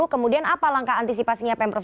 kemudian apa langkah antisipasinya pemprov